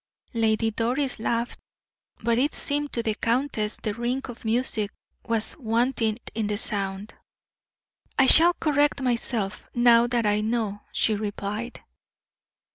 Lady Doris laughed, but it seemed to the countess the ring of music was wanting in the sound. "I shall correct myself, now that I know," she replied.